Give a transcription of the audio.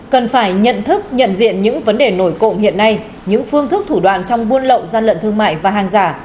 cần phải nhận thức nhận diện những vấn đề nổi cộng hiện nay những phương thức thủ đoạn trong buôn lậu gian lận thương mại và hàng giả